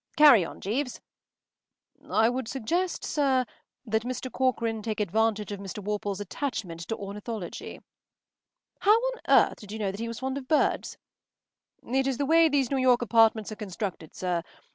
Carry on, Jeeves.” “I would suggest, sir, that Mr. Corcoran take advantage of Mr. Worple’s attachment to ornithology.” “How on earth did you know that he was fond of birds?” “It is the way these New York apartments are constructed, sir.